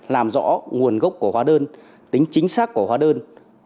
làm rõ nguồn gốc của hóa đơn tính chính xác của hóa đơn